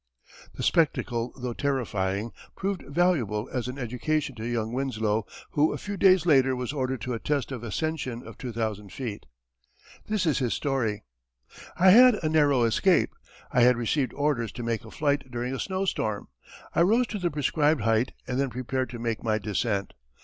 The spectacle, though terrifying, proved valuable as an education to young Winslow who a few days later was ordered to a test of ascension of two thousand feet. This is his story: I had a narrow escape. I had received orders to make a flight during a snow storm. I rose to the prescribed height and then prepared to make my descent.